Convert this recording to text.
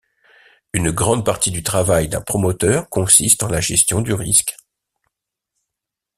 Une grande partie du travail d’un promoteur consiste en la gestion du risque.